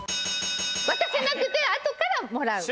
渡せなくてあとからもらう。